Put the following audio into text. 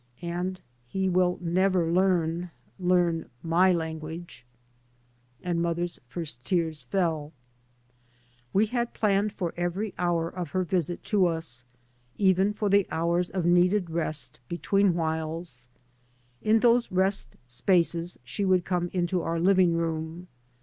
And — he will never learn — learn my language." And mother's first tears fell. We had planned for every hour of her visit to us, even for the hours of needed rest between whiles. In those rest spaces she would come into our living room.